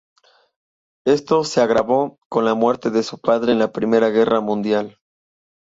Esto se agravó con la muerte de su padre en la Primera Guerra Mundial.